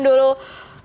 tepuk tangan dulu